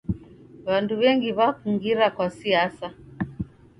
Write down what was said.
W'andu w'engi w'akungira kwa siasa.